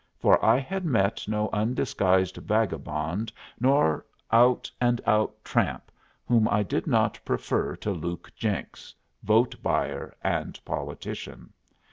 For I had met no undisguised vagabond nor out and out tramp whom I did not prefer to Luke Jenks, vote buyer and politician.